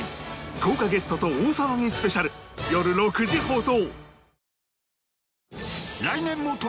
豪華ゲストと大騒ぎスペシャルよる６時放送！